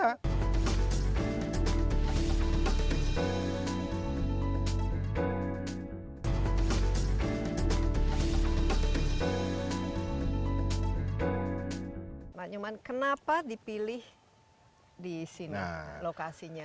pak nyoman kenapa dipilih di sini lokasinya